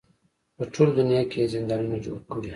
په ټوله دنیا کې یې زندانونه جوړ کړي.